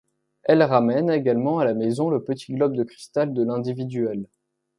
Elle ramène également à la maison le petit globe de cristal de l'Individuel.